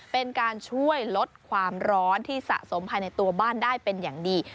เป็นการช่วยลดความร้อนที่สะสมภายในตัวบ้านได้เป็นอย่างดี